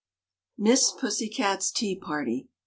MISS PUSSYCAT'S TEA PARTY.